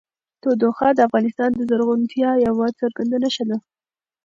تودوخه د افغانستان د زرغونتیا یوه څرګنده نښه ده.